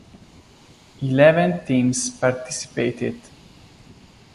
Eleven teams participated.